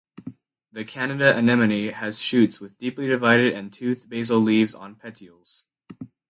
The Canada anemone has shoots with deeply divided and toothed basal leaves on petioles.